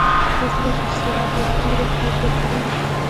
کیدلای شي چې سېلاب یو توری یا دوه توري وي.